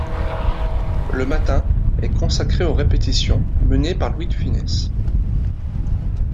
Le matin est consacré aux répétitions, menées par Louis de Funès.